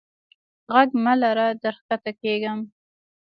ږغ مه لره در کښته کیږم.